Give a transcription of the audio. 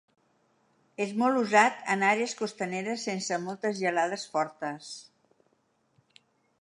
És molt usat en àrees costaneres sense moltes gelades fortes.